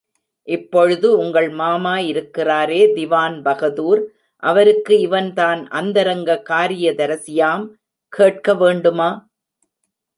இப்பொழுது உங்கள் மாமா இருக்கிறாரே திவான் பகதூர், அவருக்கு இவன் தான் அந்தரங்கக் காரியதரிசியாம் கேட்கவேண்டுமா?